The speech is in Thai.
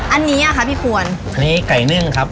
อันนี้อ่ะคะพี่ควรอันนี้ไก่นึ่งครับ